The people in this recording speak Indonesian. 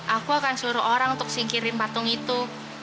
aku akan seluruh orang untuk singkirin patung itu